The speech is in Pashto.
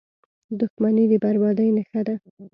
• دښمني د بربادۍ نښه ده.